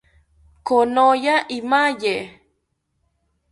Konoya imaye